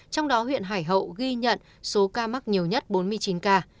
trong đó huyện hải hậu ghi nhận số ca mắc nhiều nhất bốn mươi chín ca